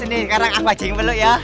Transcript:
ini karena nggak paceng belum ya